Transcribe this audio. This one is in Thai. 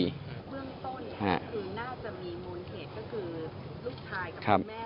น่าจะมีมนตร์เหตุก็คือลูกตายกับแม่เท่านั้น